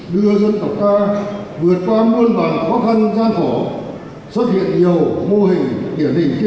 đưa dân tộc ta vượt qua muôn bằng khó khăn gian khổ xuất hiện nhiều mô hình